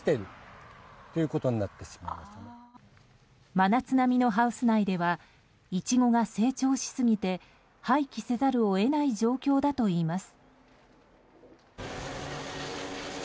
真夏並みのハウス内ではイチゴが成長しすぎて廃棄せざるを得ない状況だといいます。